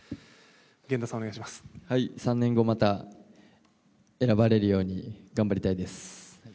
３年後また選ばれるように頑張りたいです。